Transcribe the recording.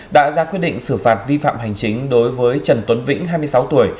đã ra quyết định xử phạt vi phạm hành chính đối với trần tuấn vĩnh hai mươi sáu tuổi